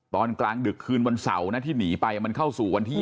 ตอนกลางดึกคืนวันเสาร์นะที่หนีไปมันเข้าสู่วันที่๒